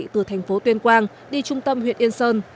từ thành phố tuyên quang đi trung tâm huyện yên sơn